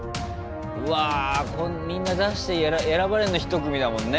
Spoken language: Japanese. うわみんな出して選ばれんの１組だもんね。